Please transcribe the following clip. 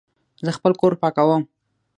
زه خپل کور پاکوم